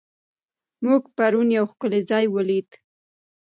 موږ پرون یو ښکلی ځای ولید.